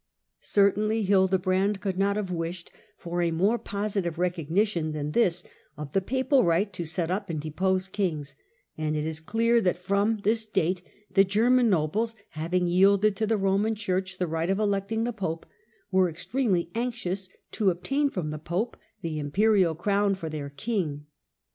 Certainly Hildebrand could not have wished for a more positive recognition than this of the papal right to set up and depose kings ; and it is clear that from this date the German nobles, having yielded to the f^ Roman Church the right of electing the pope, were ex tremely anxious to obtain from the pope the imperial crown for their king.